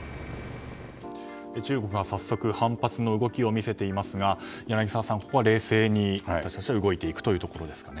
中国が早速反発の動きを見せていますが柳澤さん、ここは冷静に私たちは動いていくということですかね。